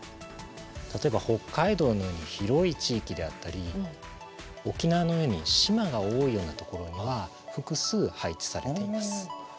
例えば北海道のように広い地域であったり沖縄のように島が多いようなところには複数配置されています。